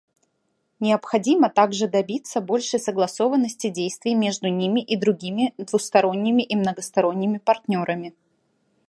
Необходимо также добиться большей согласованности действий между ними и другими двусторонними и многосторонними партнерами.